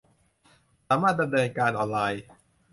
สามารถดำเนินการออนไลน์